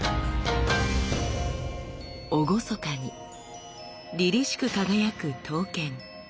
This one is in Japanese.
厳かにりりしく輝く刀剣。